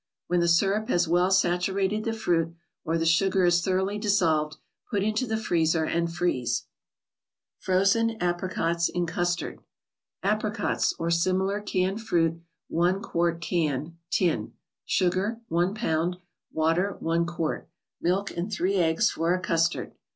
When the syrup has well saturated the fruit, or the sugar is thoroughly dissolved, put into the freezer and freeze. frozen Stpncotgs lu CwgtarD. Apricots (or similar canned Fruit), i qt. can (tin) ; Sugar, i lb.; Water, I qt.; Milk and three eggs for a custard.